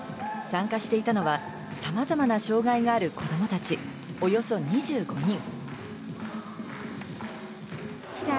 参加していたのは、さまざまな障害がある子どもたち、およそ２５人。